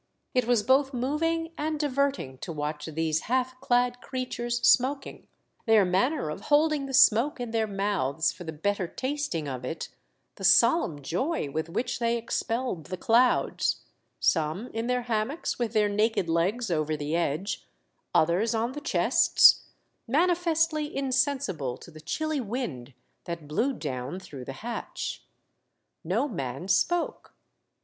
It was both moving and diverting to watch these half clad creatures smoking, their manner of holding the smoke in their mouths for the better tasting of it, the solemn joy with which they expelled the clouds ; some in their ham mocks with their naked legs over the edge ; others on the chests, manifestly insensible to the chilly wind that blew down through the hatch. No man spoke.